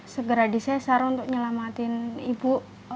segera disesara untuk menyelamatin ibu